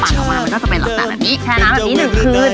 จะเป็นหลักตาแบบนี้